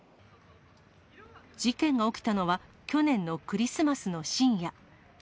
事件が起きたのは去年のクリスマスの深夜。